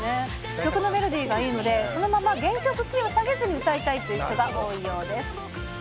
曲のメロディーがいいので、そのまま原曲キーを下げずに歌いたいという人が多いようです。